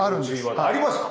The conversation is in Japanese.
あります。